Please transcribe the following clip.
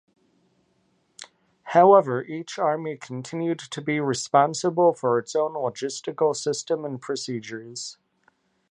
However each army continued to be responsible for its own logistical system and procedures.